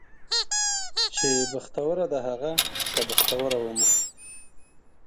چې بختوره ده هغه که بختوره ومه